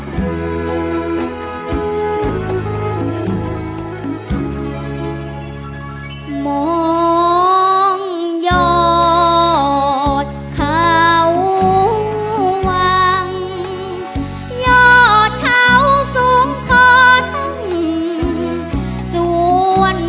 จวนเยอดเขาจวนเยอดเขาสูงขอตรง